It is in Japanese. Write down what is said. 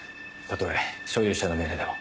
たとえ所有者の命令でも。